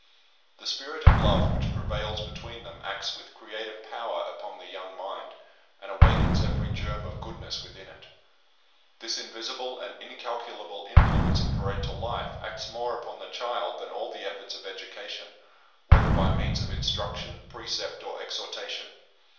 The spirit of love which prevails between them acts with creative power upon the young mind, and awakens every germ of goodness within it. This invisible and incalculable influence of parental life acts more upon the child than all the efforts of education, whether by means of instruction, precept, or exhortation.